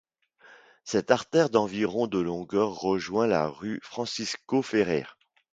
Cette artère d'environ de longueur rejoint la rue Francisco-Ferrer.